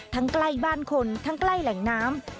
ใกล้บ้านคนทั้งใกล้แหล่งน้ำ